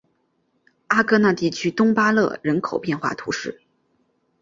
阿戈讷地区东巴勒人口变化图示